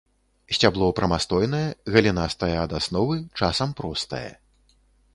Сцябло прамастойнае, галінастае ад асновы, часам простае.